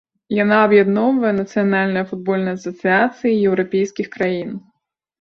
Яна аб'ядноўвае нацыянальныя футбольныя асацыяцыі еўрапейскіх краін.